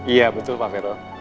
iya betul pak fero